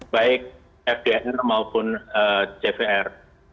baik fdr maupun cvr